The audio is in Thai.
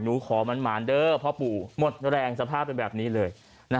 ขอหมานเด้อพ่อปู่หมดแรงสภาพเป็นแบบนี้เลย